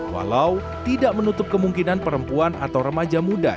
walau tidak menutup kemungkinan perempuan atau remaja muda